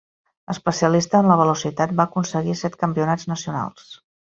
Especialista en la Velocitat, va aconseguir set campionats nacionals.